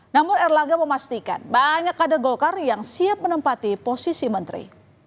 namun erlangga memastikan banyak kader golkar yang siap menempati posisi menteri